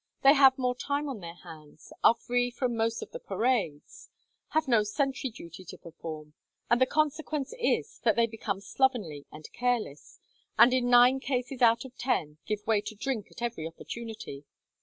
They have more time on their hands, are free from most of the parades, have no sentry duty to perform, and the consequence is that they become slovenly and careless, and in nine cases out of ten give way to drink at every opportunity.